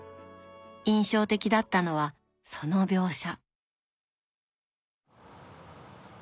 印象的だったのはその描写。